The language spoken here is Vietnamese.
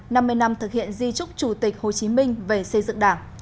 năm mươi năm thực hiện di trúc chủ tịch hồ chí minh về xây dựng đảng